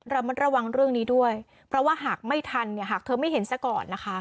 ระมัดระวังเรื่องนี้ด้วยเพราะว่าหากไม่ทันเนี่ยหากเธอไม่เห็นซะก่อนนะคะ